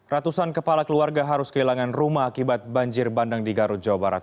ratusan kepala keluarga harus kehilangan rumah akibat banjir bandang di garut jawa barat